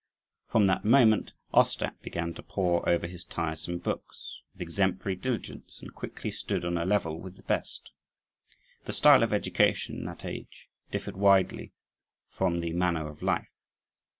From that moment, Ostap began to pore over his tiresome books with exemplary diligence, and quickly stood on a level with the best. The style of education in that age differed widely from the manner of life.